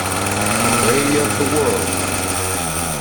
The Way of the World